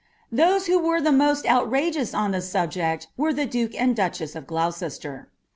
Those who were the most outrageous on the sttbject ws( tlw duke and duchess of Gloucester."